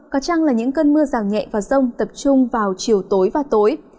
có chăng là những cơn mưa rào nhẹ và rông tập trung vào chiều tối và tối